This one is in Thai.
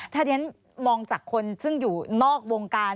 ถ้าเรียนมองจากคนซึ่งอยู่นอกวงการ